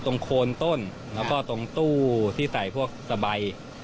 โคนต้นแล้วก็ตรงตู้ที่ใส่พวกสบาย